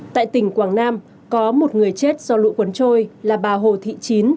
tại tỉnh quảng nam có một người chết do lũ cuốn trôi là bà hồ thị chín